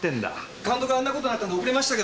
監督があんな事になったんで遅れましたけど。